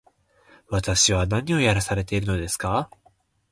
私は何をやらされているのですか